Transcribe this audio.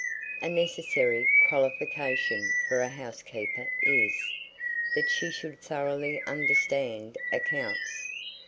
A NECESSARY QUALIFICATION FOR A HOUSEKEEPER is, that she should thoroughly understand accounts.